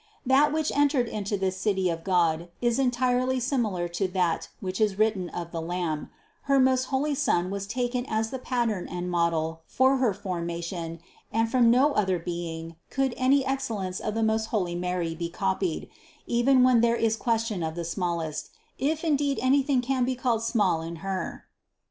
That which entered into this City of God is entirely similar to that which is written of the Lamb: her most holy Son was taken as the pattern and model for her formation and from no other being could any excellence of the most holy Mary be copied, even when there is question of the smallest, if indeed anything can be called small in THE CONCEPTION 249 Her.